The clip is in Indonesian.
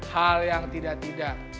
hal yang tidak tidak